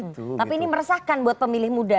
tapi ini meresahkan buat pemilih muda